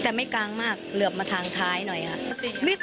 แต่ไม่กลางมากเหลือบมาทางท้ายหน่อยค่ะ